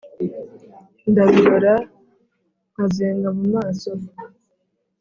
ndabirora nkazenga.mu maso